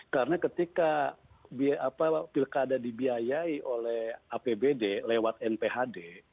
karena ketika pilkada dibiayai oleh apbd lewat nphd